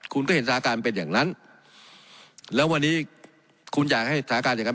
คุณก็เห็นสถานการณ์เป็นอย่างนั้นแล้ววันนี้คุณอยากให้สถานการณ์อย่างนั้น